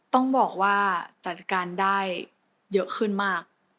ต้องบอกว่าจัดการได้เยอะขึ้นมาก